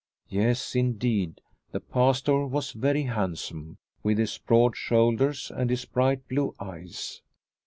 Yes, indeed the Pastor was very hand some, with his broad shoulders and his bright blue eyes.